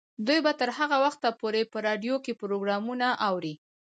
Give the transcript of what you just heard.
دوی به تر هغه وخته پورې په راډیو کې پروګرامونه اوري.